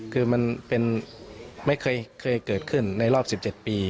คือมันเป็นไม่เคยเกิดขึ้นในรอบ๑๗ปี